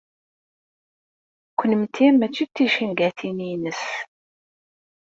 Kennemti mačči d ticengatin-ines.